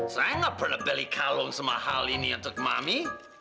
saya nggak pernah beli kalung sama hal ini untuk mami